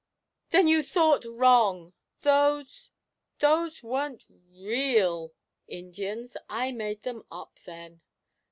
'Then you thought wrong! Those those weren't real Indians I made them up, then!'